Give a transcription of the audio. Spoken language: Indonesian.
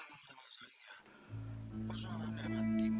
dapet timnya memang cantik